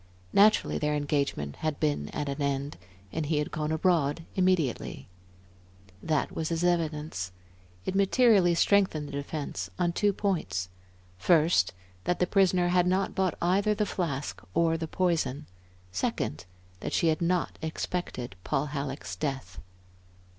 Naturally their engagement had been at an end, and he had gone abroad immediately. That was his evidence. It materially strengthened the defence on two points; first, that the prisoner had not bought either the flask or the poison; second, that she had not expected Paul Halleck's death.